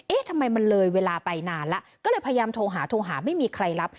ทำไมมันเลยเวลาไปนานแล้วก็เลยพยายามโทรหาโทรหาไม่มีใครรับ